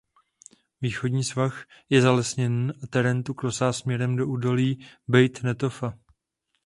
Východní svah je zalesněný a terén tu klesá směrem do údolí Bejt Netofa.